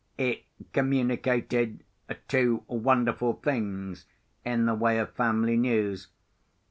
It communicated two wonderful things in the way of family news.